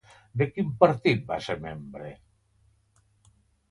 De quin partit va ser membre?